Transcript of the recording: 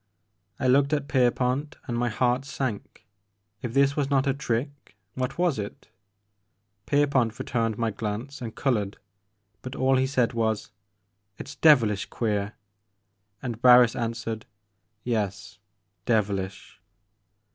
I looked at Pierpont, and my heart sank. If this was not a trick, what was it ? Pierpont re turned my glance and colored, but all he said was, "It's devilish queer," and Barris an swered, '* Yes, devilish."